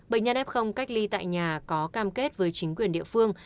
bệnh nhân f cách ly tại nhà có cam kết với chính quyền địa phương